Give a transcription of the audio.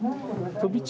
飛び地。